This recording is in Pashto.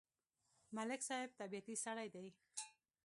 ملک صاحب طبیعتی سړی دی.